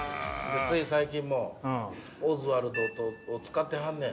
つい最近もオズワルドを使ってはんねん。